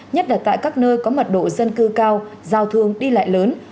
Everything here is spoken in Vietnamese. nhất là tại các nơi có mật độ dân cư cao giao thương đi lại lớn